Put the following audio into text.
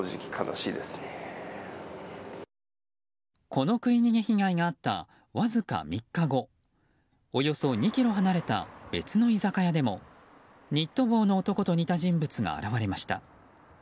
この食い逃げ被害があったわずか３日後およそ２ｋｍ離れた別の居酒屋でもニット帽の男と似た人物が現れました。